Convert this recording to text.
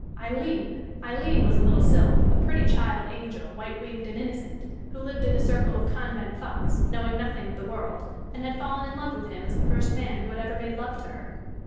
Aileen! Aileen was a little sylph, a pretty child angel, white winged and innocent, who lived in a circle of convent thoughts, knowing nothing of the world, and had fallen in love with him as the first man who had ever made love to her.